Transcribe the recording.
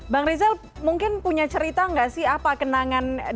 bang rizal mungkin punya cerita nggak sih apa kenangan